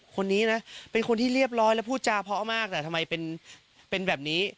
คนนี้นะเป็นคนที่เรียบร้อยแล้วพูดจาเพาะมากแต่ทำไมเป็นแบบนี้